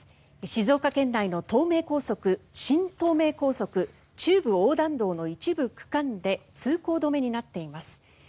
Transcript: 静岡県内の東名高速、新東名高速中部横断道の一部区間で通行止めになっています。